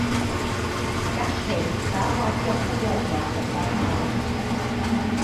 Gall hyn ddarwagio'r cyflenwad yn barhaol.